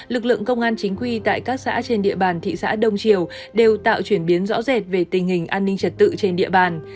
lực lượng công an chính quy tại các xã trên địa bàn thị xã đông triều đều tạo chuyển biến rõ rệt về tình hình an ninh trật tự trên địa bàn